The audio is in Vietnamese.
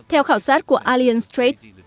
theo khảo sát của allianz trade